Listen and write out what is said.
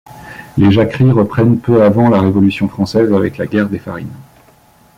Les jacqueries reprennent peu avant la Révolution française avec la guerre des farines.